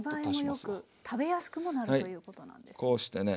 見栄えも良く食べやすくもなるということなんですね。